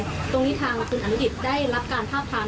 ตรงนี้ทางคุณอนุดิษฐ์ได้รับการทัพความ